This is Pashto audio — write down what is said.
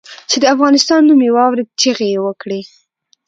چې د افغانستان نوم یې واورېد چیغې یې کړې.